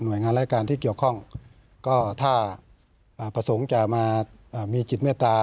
โดยงานรายการที่เกี่ยวข้องก็ถ้าประสงค์จะมามีจิตเมตตา